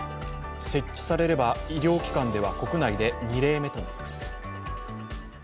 設置されれば医療機関では国内で２例目となります。